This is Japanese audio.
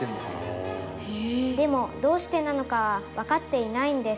「でもどうしてなのかはわかっていないんです」